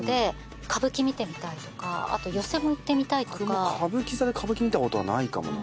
僕も歌舞伎座で歌舞伎見たことはないかもな。